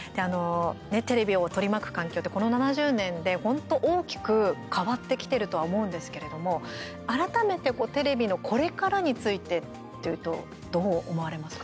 テレビを取り巻く環境ってこの７０年で本当大きく変わってきてるとは思うんですけれども改めてテレビのこれからについてっていうと、どう思われますか。